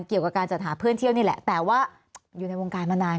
เกี่ยวกับการจัดหาเพื่อนเที่ยวนี่แหละแต่ว่าอยู่ในวงการมานาน